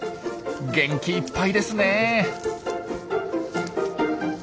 元気いっぱいですねえ！